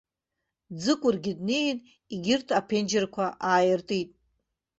Ӡыкәыргьы днеин, егьырҭ аԥенџьырқәа ааиртит.